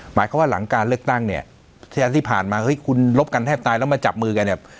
หมายความว่าหลังการเลือกตั้งเนี่ยที่ผ่านมาเฮ้ยคุณลบกันแทบตายแล้วมาจับมือกันเนี่ย